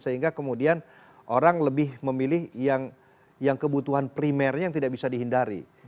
sehingga kemudian orang lebih memilih yang kebutuhan primernya yang tidak bisa dihindari